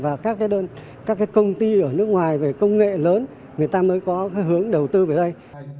và các công ty ở nước ngoài về công nghệ lớn người ta mới có hướng đầu tư về đây